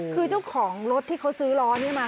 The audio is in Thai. คือเจ้าของรถที่เขาซื้อล้อนี้มา